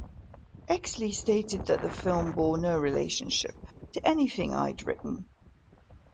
Exley stated that the film bore no relationship to anything I'd written.